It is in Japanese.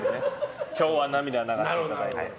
今日は涙を流していただいて。